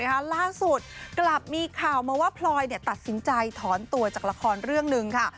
ล่าสุดกลับมีข่าวมาว่าพลอยตัดสินใจถอนตัวจากละครเรื่องหนึ่งค่ะ